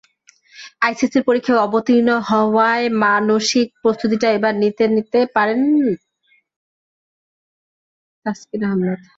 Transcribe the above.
আইসিসির পরীক্ষায় অবতীর্ণ হওয়ার মানসিক প্রস্তুতিটা এবার নিয়ে নিতে পারেন তাসকিন আহমেদ।